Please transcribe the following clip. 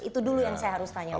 itu dulu yang saya harus tanya pak